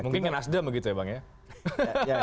mungkin ke nasdem begitu ya bang ya